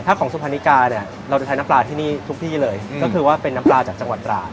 ถ้าของสุพรรณิกาเนี่ยเราจะใช้น้ำปลาที่นี่ทุกที่เลยก็คือว่าเป็นน้ำปลาจากจังหวัดตราด